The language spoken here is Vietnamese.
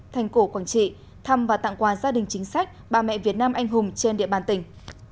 thành cổ quảng trị thăm và tặng quà gia đình chính sách bà mẹ việt nam anh hùng trên địa bàn tỉnh